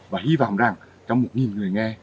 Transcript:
và hy vọng rằng trong một nghìn người nghe